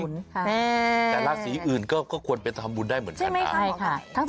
แต่ราศีอื่นก็ควรไปทำบุญได้เหมือนกันนะ